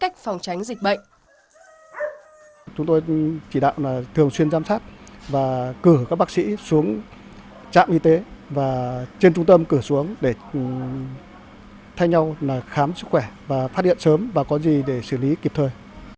chúng tôi chỉ đạo là thường xuyên giám sát và cử các bác sĩ xuống trạm y tế và trên trung tâm cửa xuống để thay nhau khám sức khỏe và phát hiện sớm và có gì để xử lý kịp thời